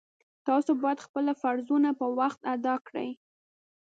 تاسو باید خپل فرضونه په وخت ادا کړئ